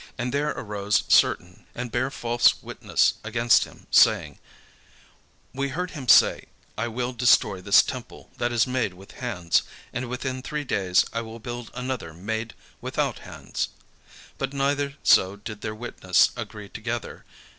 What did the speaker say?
And there arose certain, and bare false witness against him, saying: "We heard him say, 'I will destroy this temple that is made with hands, and within three days I will build another made without hands.'" But neither so did their witness agree together.